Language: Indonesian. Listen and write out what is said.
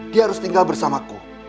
dia harus tinggal bersamaku